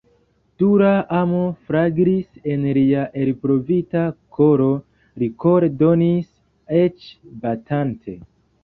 Dura amo flagris en lia elprovita koro; li kore donis, eĉ batante.